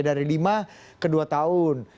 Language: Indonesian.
dari lima ke dua tahun